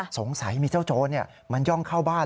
สงสัยมีเจ้าโจรมันย่องเข้าบ้าน